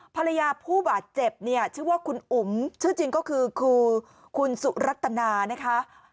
ภรรยาผู้บาดเจ็บเนี่ยชื่อว่าคุณอุ๋มชื่อจริงก็คือคุณสุรัตนานะคะ